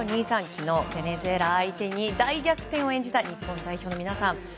昨日、ベネズエラ相手に大逆転を演じた日本代表の皆さん。